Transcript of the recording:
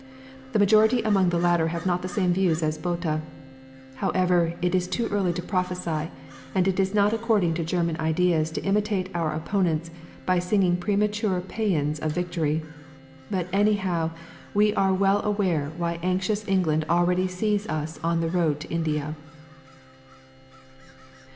The majority among the latter have not the same views as Botha. However, it is too early to prophesy, and it is not according to German ideas to imitate our opponents by singing premature paeans of victory. But anyhow we are well aware why anxious England already sees us on the road to India."